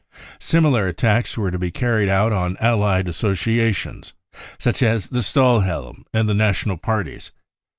Similar attacks were to be carried out on allied associations such, as the Stahlhelm and the national parties.